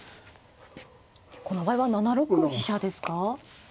この場合は７六飛車ですか。